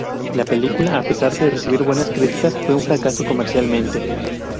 La película, a pesar de recibir buenas críticas, fue un fracaso comercialmente.